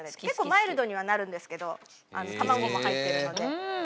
結構マイルドにはなるんですけど卵も入ってるので。